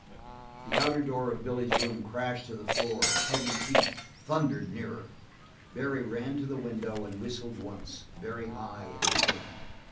The outer door of Billy's room crashed to the floor, and heavy feet thundered nearer. Barry ran to the window and whistled once, very high and thin.